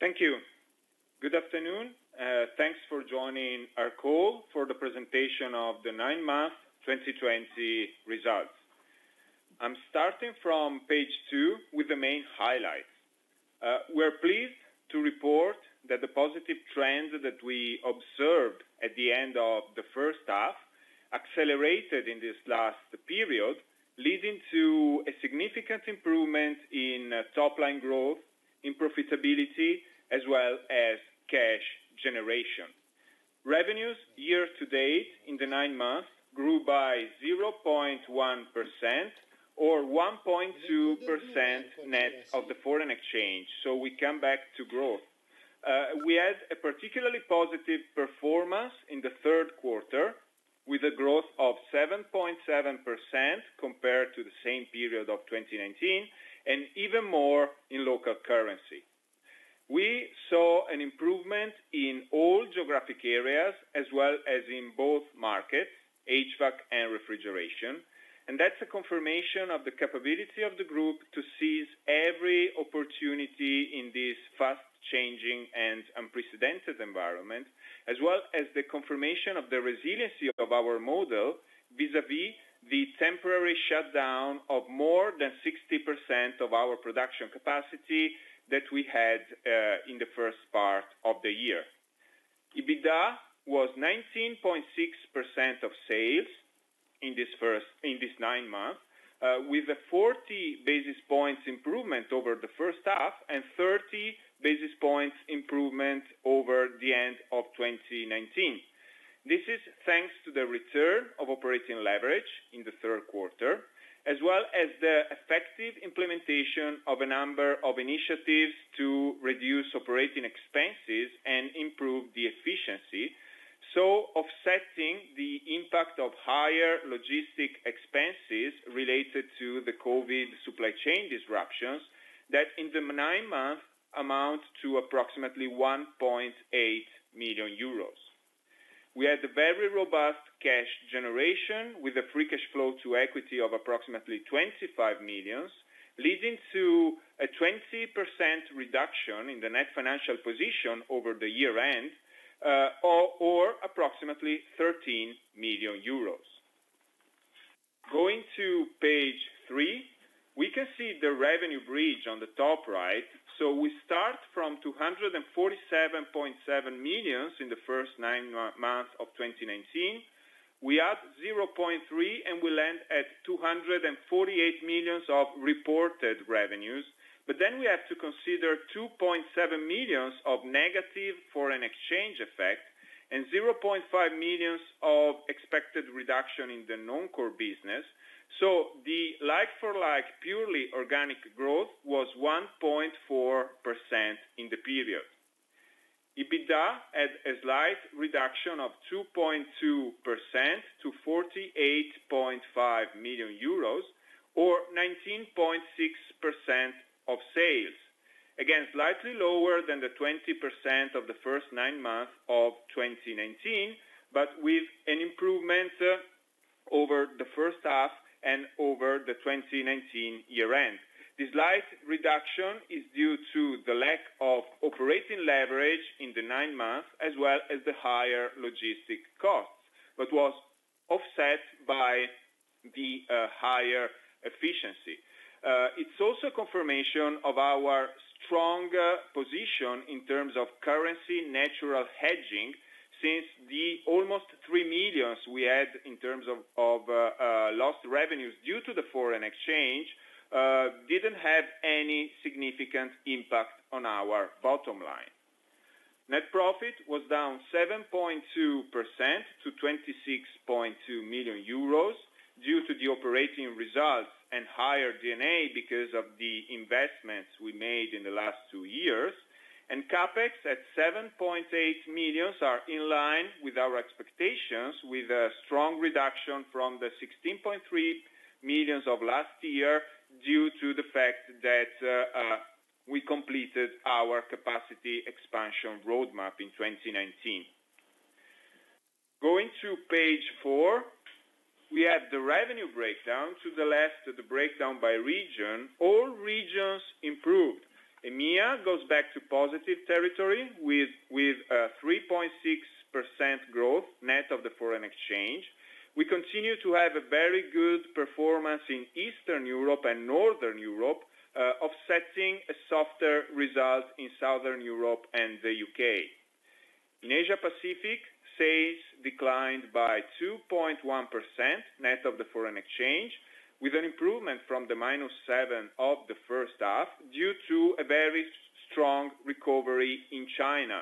Thank you. Good afternoon. Thanks for joining our call for the presentation of the nine-month 2020 results. I'm starting from page two with the main highlights. We are pleased to report that the positive trends that we observed at the end of the first half accelerated in this last period, leading to a significant improvement in top-line growth, profitability, and cash generation. Revenues year to date in the nine months grew by 0.1% or 1.2% net of the foreign exchange, so we come back to growth. We had a particularly positive performance in the third quarter, with a growth of 7.7% compared to the same period of 2019, and even more in local currency. We saw an improvement in all geographic areas as well as in both markets, HVAC and refrigeration. That's a confirmation of the capability of the Group to seize every opportunity in this fast-changing and unprecedented environment, as well as the confirmation of the resiliency of our model vis-à-vis the temporary shutdown of more than 60% of our production capacity that we had in the first part of the year. EBITDA was 19.6% of sales in these nine months, with a 40 basis points improvement over the first half and 30 basis points improvement over the end of 2019. This is thanks to the return of operating leverage in the third quarter, as well as the effective implementation of a number of initiatives to reduce operating expenses and improve efficiency, offsetting the impact of higher logistics expenses related to the COVID supply chain disruptions that, in the nine months, amount to approximately 1.8 million euros. We had a very robust cash generation with a free cash flow to equity of approximately 25 million, leading to a 20% reduction in the net financial position over the year-end, or approximately 13 million euros. Going to page three, we can see the revenue bridge on the top right. We start from 247.7 million in the first nine months of 2019. We add 0.3 million, and we land at 248 million of reported revenues. We have to consider 2.7 million of negative foreign exchange effect and 0.5 million of expected reduction in the non-core business. The like-for-like purely organic growth was 1.4% in the period. EBITDA had a slight reduction of 2.2% to EUR 48.5 million or 19.6% of sales. Again, slightly lower than the 20% of the first nine months of 2019, but with an improvement over the first half and over the 2019 year-end. The slight reduction is due to the lack of operating leverage in the nine months as well as the higher logistic costs, but was offset by the higher efficiency. It's also confirmation of our strong position in terms of currency natural hedging, since the almost 3 million we had in terms of lost revenues due to the foreign exchange didn't have any significant impact on our bottom line. Net profit was down 7.2% to 26.2 million euros due to the operating results and higher D&A because of the investments we made in the last two years, and CapEx at 7.8 million is in line with our expectations, with a strong reduction from the 16.3 million of last year due to the fact that we completed our capacity expansion roadmap in 2019. Going to page four, we have the revenue breakdown. To the left, the breakdown by region. All regions improved. EMEA goes back to positive territory with a 3.6% growth net of the foreign exchange. We continue to have a very good performance in Eastern Europe and Northern Europe, offsetting a softer result in Southern Europe and the U.K. In the Asia Pacific, sales declined by 2.1% net of the foreign exchange, with an improvement from the -7% of the first half due to a very strong recovery in China,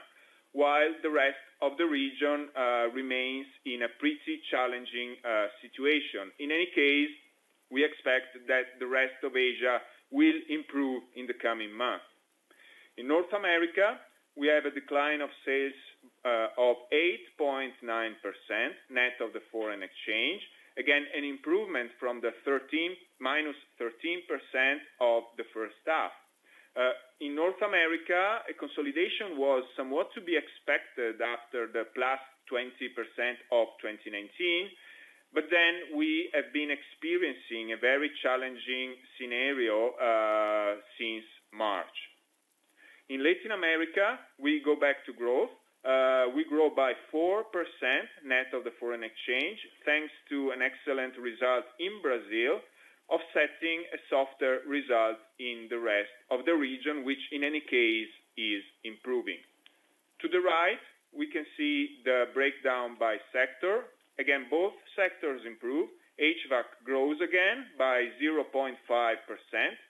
while the rest of the region remains in a pretty challenging situation. In any case, we expect that the rest of Asia will improve in the coming months. In North America, we have a decline of sales of 8.9% net of the foreign exchange. An improvement from the -13% of the first half. In North America, a consolidation was somewhat to be expected after the +20% of 2019. We have been experiencing a very challenging scenario since March. In Latin America, we go back to growth. We grow by 4% net of the foreign exchange, thanks to an excellent result in Brazil, offsetting a softer result in the rest of the region, which, in any case, is improving. To the right, we can see the breakdown by sector. Again, both sectors improve. HVAC grows again by 0.5%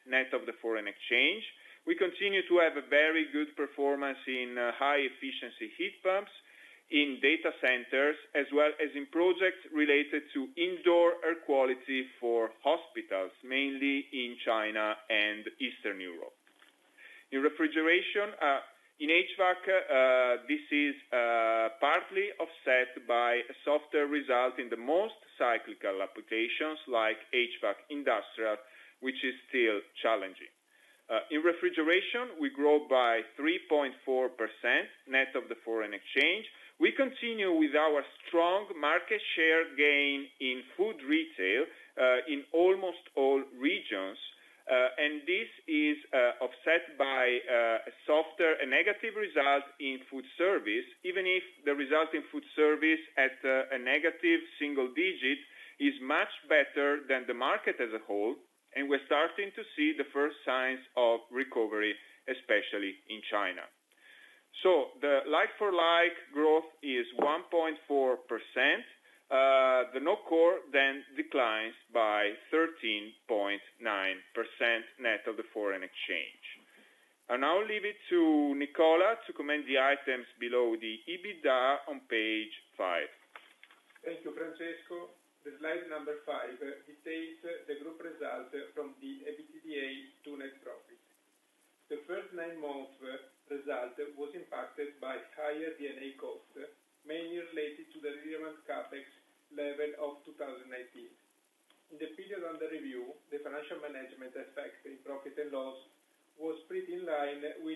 net of the foreign exchange. We continue to have a very good performance in high-efficiency heat pumps, in data centers, as well as in projects related to indoor air quality for hospitals, mainly in China and Eastern Europe. In HVAC, this is partly offset by a softer result in the most cyclical applications like HVAC industrial, which is still challenging. In refrigeration, we grow by 3.4% net of the foreign exchange. We continue with our strong market share gain in food retail in almost all regions. This is offset by a negative result in food service, even if the result in food service at a negative single digit is much better than the market as a whole, and we're starting to see the first signs of recovery, especially in China. The like-for-like growth is 1.4%. The non-core then declines by 13.9% net of the foreign exchange. I now leave it to Nicola to comment on the items below the EBITDA on page five. Thank you, Francesco. Slide five details the Group result from the EBITDA to net profit. The first nine months result was impacted by higher D&A costs, mainly related to the relevant CapEx level of 2019. In the period under review, the financial management effect on profit and loss was pretty in line with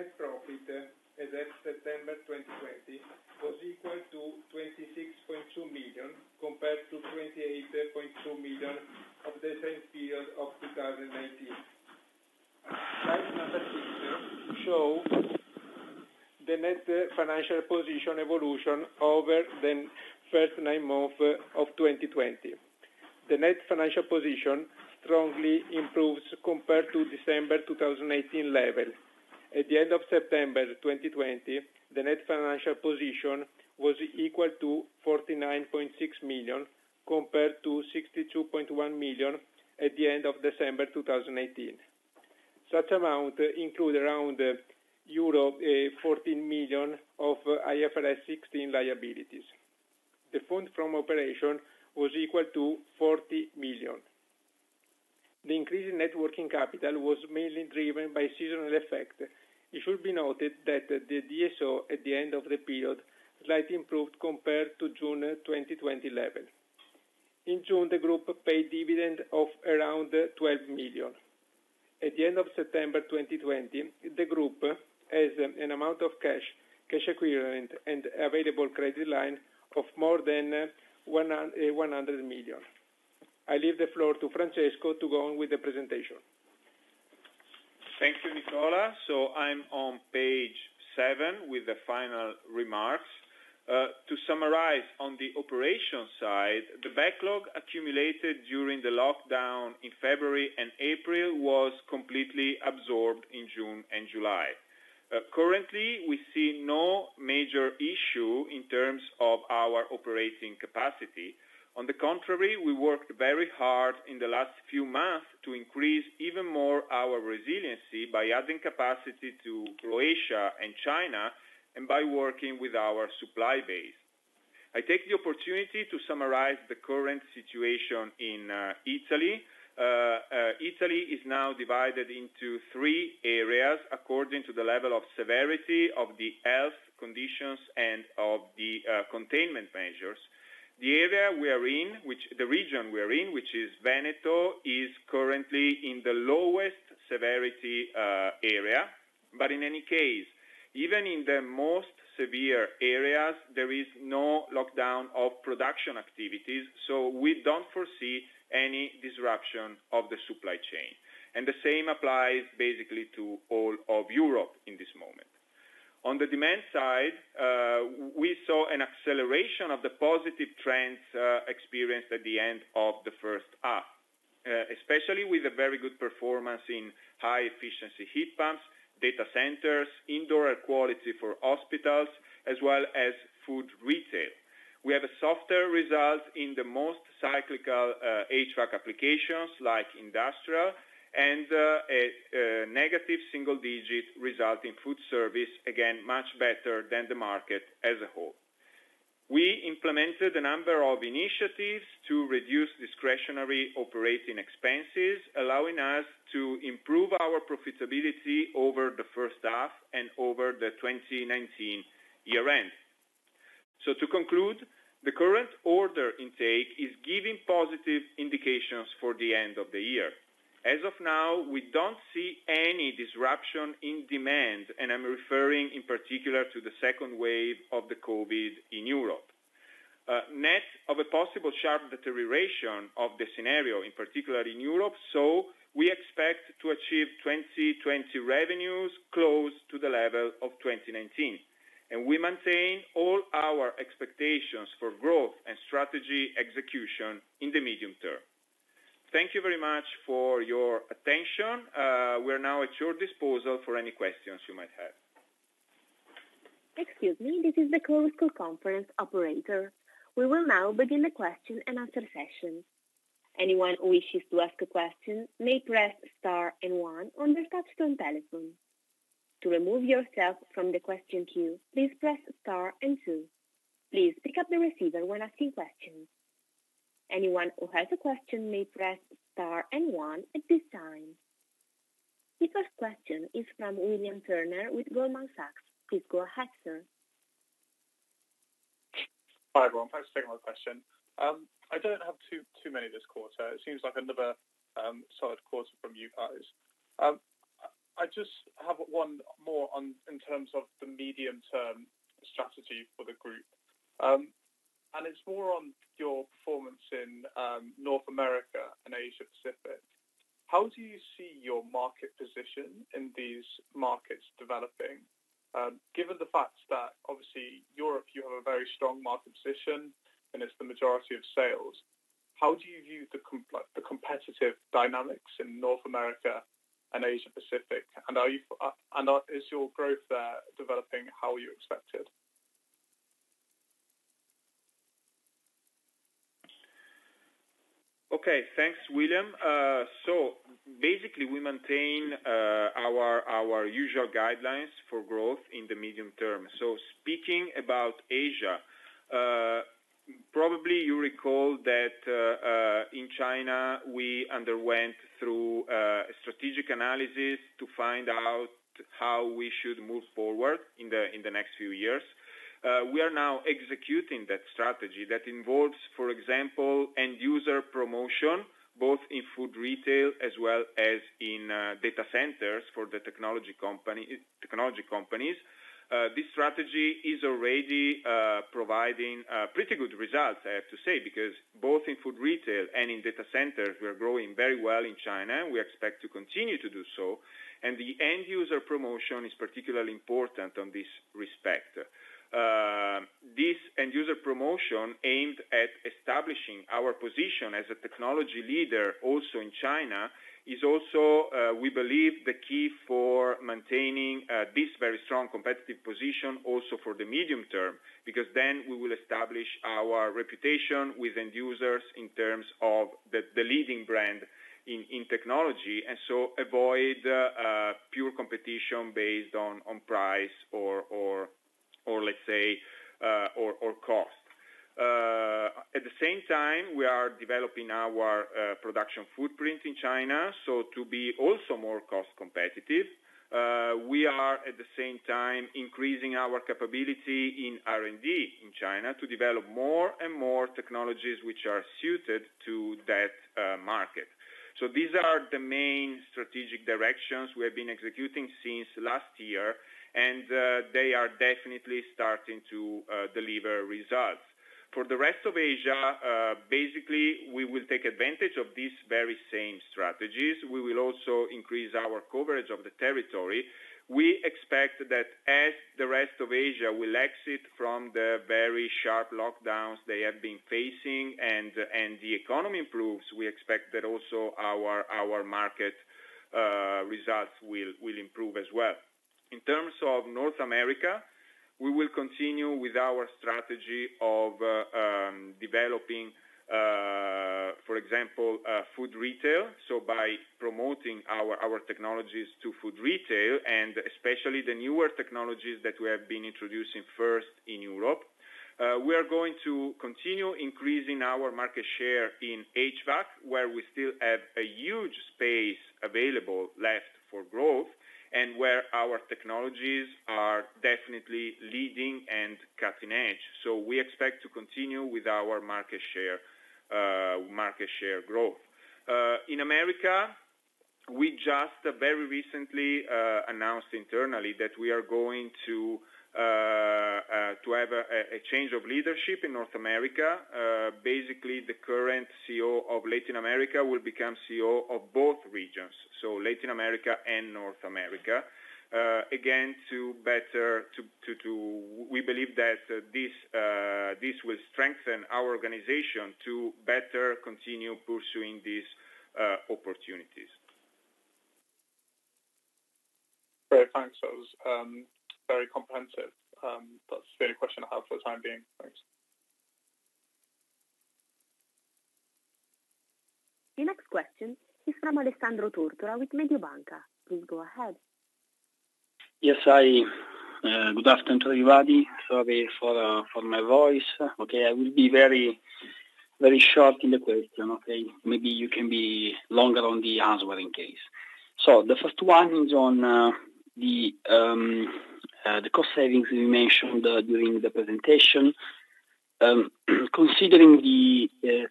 the 2019 figures. In detail, financial charges were higher compared to last year due to the increased amount of loans available for the Group. Such growth was more than compensated for by better results on ForEx and the company's consolidated results with the equity method. The tax rate of the period was 23%, slightly above the 2019 level. Such an increase is mainly related to a different country mix and to the fact that the tax facility in Croatia has expired. The Group net profit as at September 2020 was equal to EUR 26.2 million, compared to EUR 28.2 million of the same period of 2019. Slide number six shows the net financial position evolution over the first nine months of 2020. The net financial position strongly improves compared to the December 2018 level. At the end of September 2020, the net financial position was equal to 49.6 million, compared to 62.1 million at the end of December 2018. Such amount includes around euro 14 million of IFRS 16 liabilities. The fund from operations was equal to 40 million. The increase in net working capital was mainly driven by seasonal effects. It should be noted that the DSO at the end of the period slightly improved compared to the June 2020 level. In June, the Group paid a dividend of around 12 million. At the end of September 2020, the Group had an amount of cash, cash equivalents, and available credit line of more than 100 million. I leave the floor to Francesco to go on with the presentation. Thank you, Nicola. I'm on page seven with the final remarks. To summarize on the operation side, the backlog accumulated during the lockdown in February and April was completely absorbed in June and July. Currently, we see no major issue in terms of our operating capacity. On the contrary, we worked very hard in the last few months to increase even more our resiliency by adding capacity to Croatia and China and by working with our supply base. I take the opportunity to summarize the current situation in Italy. Italy is now divided into three areas according to the level of severity of the health conditions and of the containment measures. The region we're in, which is Veneto, is currently in the lowest severity area. In any case, even in the most severe areas, there is no lockdown of production activities, so we don't foresee any disruption of the supply chain. The same applies basically to all of Europe at the moment. On the demand side, we saw an acceleration of the positive trends experienced at the end of the first half, especially with a very good performance in high-efficiency heat pumps, data centers, indoor air quality for hospitals, and food retail. We have a softer result in the most cyclical HVAC applications, like industrial, and a negative single-digit result in food service, again, much better than the market as a whole. We implemented a number of initiatives to reduce discretionary operating expenses, allowing us to improve our profitability over the first half and over the 2019 year-end. To conclude, the current order intake is giving positive indications for the end of the year. As of now, we don't see any disruption in demand, and I'm referring in particular to the second wave of COVID in Europe. Despite a possible sharp deterioration of the scenario, in particular in Europe, we expect to achieve 2020 revenues close to the level of 2019. We maintain all our expectations for growth and strategy execution in the medium term. Thank you very much for your attention. We are now at your disposal for any questions you might have. Excuse me, this is the Chorus Call conference operator. We will now begin the question-and-answer session. Anyone who wishes to ask a question may press star and one on their touch-tone telephone. To remove yourself from the question queue, please press star and two. Anyone who has a question may press star and one at this time. The first question is from William Turner with Goldman Sachs. Please go ahead, sir. Hi, everyone. Thanks for taking my question. I don't have too many this quarter. It seems like another solid quarter from you guys. I just have one more in terms of the medium-term strategy for the Group. It's more on your performance in North America and the Asia Pacific. How do you see your market position in these markets developing? Given the fact that obviously in Europe you have a very strong market position and it's the majority of sales, how do you view the competitive dynamics in North America and Asia Pacific? Is your growth there developing as you expected? Okay. Thanks, William. Basically, we maintain our usual guidelines for growth in the medium term. Speaking about Asia, probably you recall that, in China, we underwent through a strategic analysis to find out how we should move forward in the next few years. We are now executing that strategy that involves, for example, end-user promotion, both in food retail as well as in data centers for the technology companies. This strategy is already providing pretty good results, I have to say, because both in food retail and in data centers, we are growing very well in China, and we expect to continue to do so. The end-user promotion is particularly important in this respect. This end-user promotion aimed at establishing our position as a technology leader also in China is also, we believe, the key for maintaining this very strong competitive position also for the medium term, because then we will establish our reputation with end users in terms of the leading brand in technology, and so avoid pure competition based on price or, let's say, cost. At the same time, we are developing our production footprint in China, so as to be also more cost-competitive. We are at the same time increasing our capability in R&D in China to develop more and more technologies that are suited to that market. These are the main strategic directions we have been executing since last year, and they are definitely starting to deliver results. For the rest of Asia, basically, we will take advantage of these very same strategies. We will also increase our coverage of the territory. We expect that as the rest of Asia will exit from the very sharp lockdowns they have been facing and the economy improves, we expect that also our market results will improve as well. In terms of North America, we will continue with our strategy of developing, for example, food retail. By promoting our technologies to food retail, and especially the newer technologies that we have been introducing first in Europe, we are going to continue increasing our market share in HVAC, where we still have a huge space available for growth, and where our technologies are definitely leading and cutting-edge. We expect to continue with our market share growth. In America, we just very recently announced internally that we are going to have a change of leadership in North America. The current CEO of Latin America will become the CEO of both regions, so Latin America and North America. We believe that this will strengthen our organization to better continue pursuing these opportunities. Great. Thanks. That was very comprehensive. That's the only question I have for the time being. Thanks. The next question is from Alessandro Tortora with Mediobanca. Please go ahead. Yes. Good afternoon to everybody. Sorry for my voice. I will be very short in the question. Maybe you can be longer on the answering case. The first one is on the cost savings you mentioned during the presentation. Considering the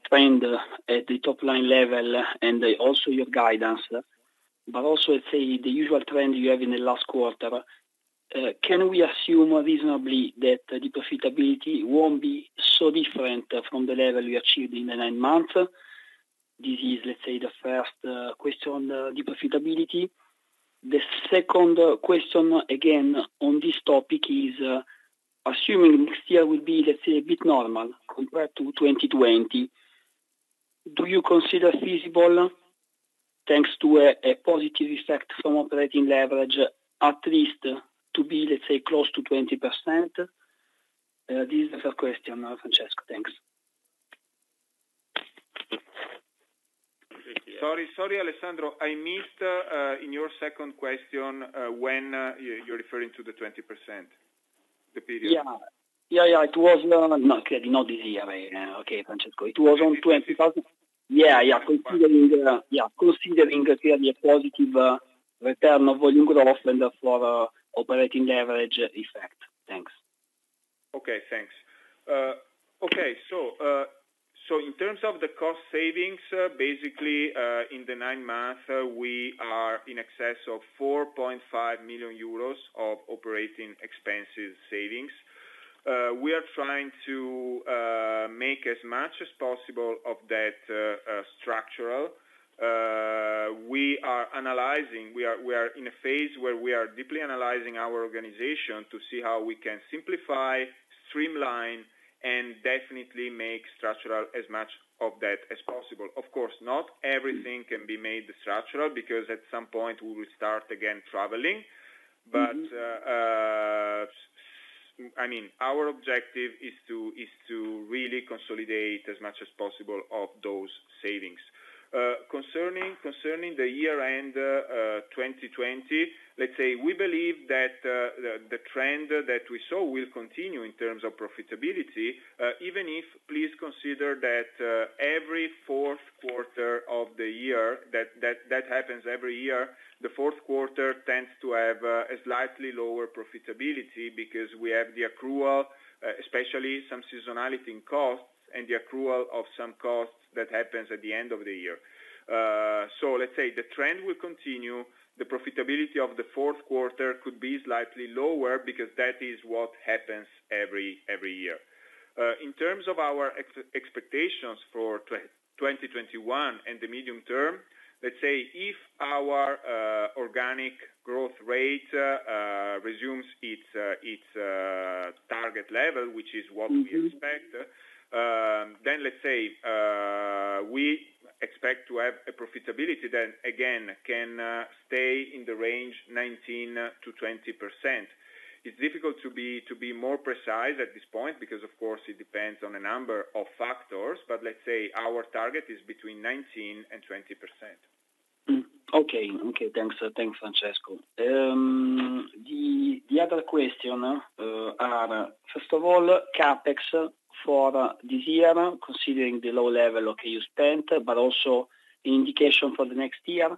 trend at the top-line level and also your guidance, also, let's say, the usual trend you have in the last quarter, can we reasonably assume that the profitability won't be so different from the level you achieved in the first nine months? This is, let's say, the first question on profitability. The second question, again, on this topic is, assuming next year will be, let's say, a bit normal compared to 2020, do you consider feasible, thanks to a positive effect from operating leverage, at least to be, let's say, close to 20%? This is the question, Francesco. Thanks. Sorry, Alessandro. I missed in your second question when you're referring to the 20%, the period. Yeah. It was not this year. Okay, Francesco. It was on 20%. Yeah, considering a clearly positive return of volume growth and the operating leverage effect. Thanks. Okay. Thanks. In terms of the cost savings, basically, in the nine months, we have exceeded EUR 4.5 million of operating expenses savings. We are trying to make as much of that structure as possible. We are in a phase where we are deeply analyzing our organization to see how we can simplify, streamline, and definitely make structural changes as much of that as possible. Of course, not everything can be made structural, because at some point, we will start traveling again. Our objective is to really consolidate as much as possible of those savings. Concerning the year-end 2020, let's say we believe that the trend that we saw will continue in terms of profitability, even if, please consider that every fourth quarter of the year, that happens every year, the fourth quarter tends to have a slightly lower profitability because we have the accrual, especially some seasonality in costs and the accrual of some costs that happens at the end of the year. Let's say the trend will continue. The profitability of the fourth quarter could be slightly lower because that is what happens every year. In terms of our expectations for 2021 and the medium term, let's say if our organic growth rate resumes its target level, which is what we expect, then let's say we expect to have a profitability that, again, can stay in the range 19%-20%. It's difficult to be more precise at this point because, of course, it depends on a number of factors. Let's say our target is between 19% and 20%. Okay, thanks, Francesco. The other question, first of all, CapEx for this year, considering the low level you spent, but also an indication for the next year.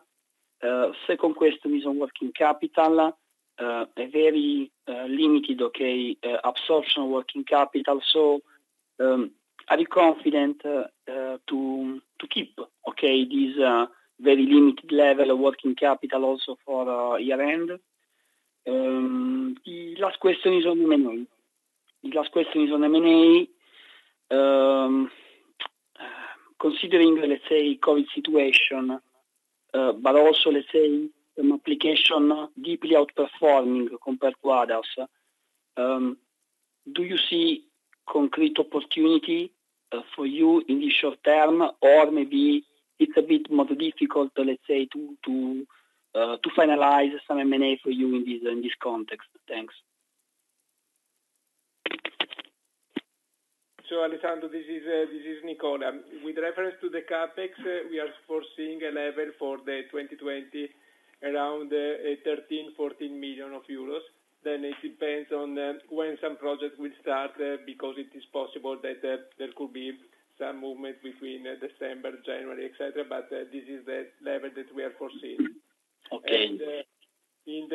The second question is on working capital. A very limited absorption of working capital. Are you confident in keeping this very limited level of working capital also for year-end? The last question is on M&A. Considering, let's say, the COVID situation, but also, let's say, the application deeply outperforming compared to others, do you see a concrete opportunity for you in the short term? Maybe it's a bit more difficult, let's say, to finalize some M&A for you in this context? Thanks. Alessandro, this is Nicola. With reference to the CapEx, we are foreseeing a level for 2020 around 13 million-14 million euros. It depends on when some projects will start, because it is possible that there could be some movement between December, January, et cetera, but this is the level that we are foreseeing. Okay. In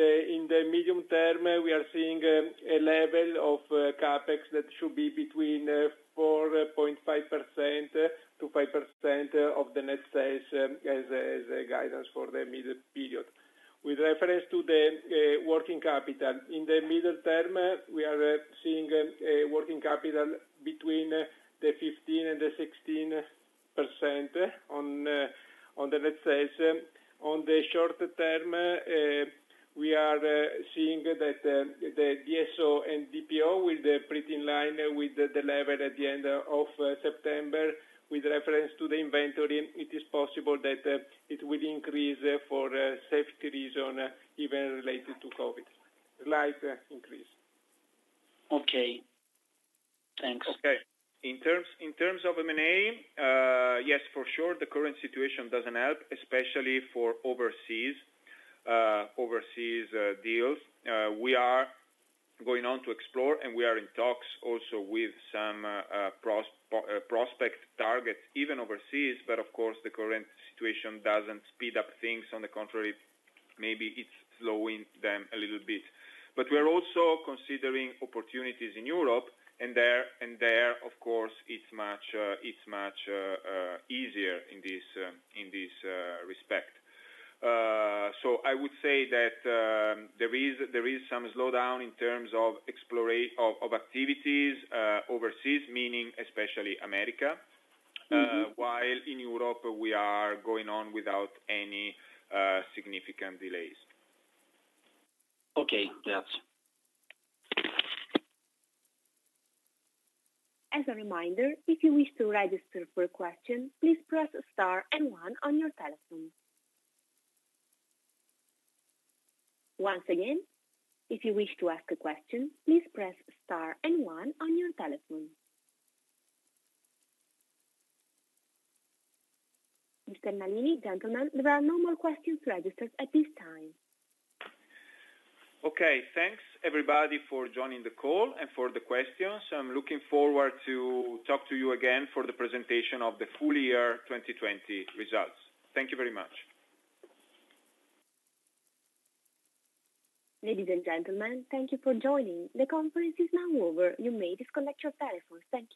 the medium term, we are seeing a level of CapEx that should be between 4.5%-5% of the net sales as guidance for the middle period. With reference to the working capital, in the medium term, we are seeing a working capital between 15% and 16% on the net sales. In the short term, we are seeing that the DSO and DPO will be pretty in line with the level at the end of September. With reference to the inventory, it is possible that it will increase for safety reasons, even related to COVID. Slight increase. Okay. Thanks. Okay. In terms of M&A, yes, for sure, the current situation doesn't help, especially for overseas deals. We are going on to explore, and we are also in talks with some prospective targets, even overseas. Of course, the current situation doesn't speed up things. On the contrary, maybe it's slowing them a little bit. We're also considering opportunities in Europe, and there, of course, it's much easier in this respect. I would say that there is some slowdown in terms of activities overseas, meaning especially in America. While in Europe, we are going on without any significant delays. Okay, thanks. As a reminder, if you wish to register for questions, please press star and one on your telephone. Once again, if you wish to ask a question, please press star and one on your telephone. Mr. Nalini, gentlemen, there are no more questions registered at this time. Okay. Thanks everybody, for joining the call and for the questions. I am looking forward to talk to you again for the presentation of the full year 2020 results. Thank you very much. Ladies and gentlemen, thank you for joining. The conference is now over. You may disconnect your telephones. Thank you.